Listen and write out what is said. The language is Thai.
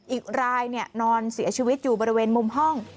อีกรายนอนเสียชีวิตอยู่บริเวณมุมห้อง